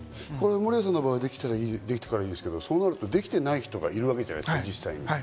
守屋さんの場合はできたからいいですけど、そうなるとできていない人がいるわけじゃないですか、実際。